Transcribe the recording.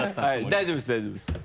大丈夫です大丈夫です。